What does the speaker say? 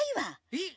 えっ。